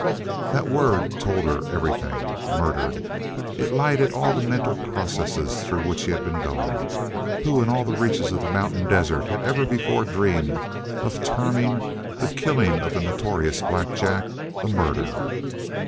That word told her everything. "Murdered!" It lighted all the mental processes through which he had been going. Who in all the reaches of the mountain desert had ever before dreamed of terming the killing of the notorious Black Jack a "murder"?